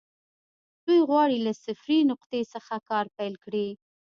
دوی غواړي له صفري نقطې څخه کار پيل کړي.